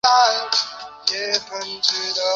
华埠是美国纽约市曼哈顿的一个地区。